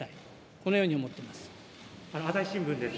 このように思っています。